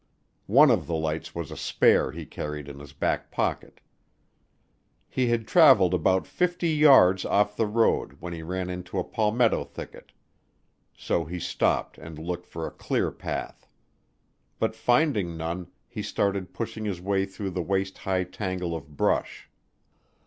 One of the lights was a spare he carried in his back pocket. He had traveled about 50 yards off the road when he ran into a palmetto thicket, so he stopped and looked for a clear path. But finding none, he started pushing his way through the waist high tangle of brush.